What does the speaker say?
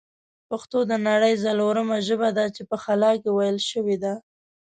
پښتو د نړۍ ځلورمه ژبه ده چې په خلا کښې ویل شوې ده